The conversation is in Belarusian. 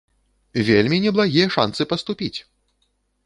Вельмі неблагія шанцы паступіць!